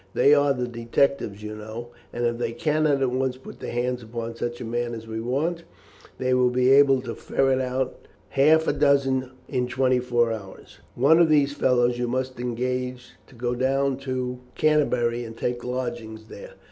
They are the detectives, you know, and if they cannot at once put their hands upon such a man as we want, they will be able to ferret out half a dozen in twenty four hours. One of these fellows you must engage to go down to Canterbury and take lodgings there.